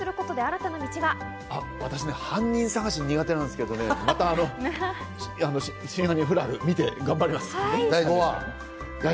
私、犯人探しは苦手なんですけど『真犯人フラグ』を見て頑張ります。